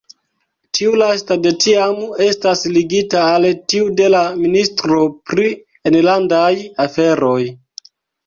Tiu lasta de tiam estas ligita al tiu de la ministro pri enlandaj aferoj.